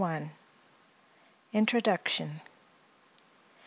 INTRODUCTION.